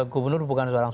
gubernur bukan seorang